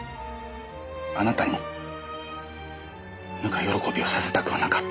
あなたにぬか喜びをさせたくはなかった。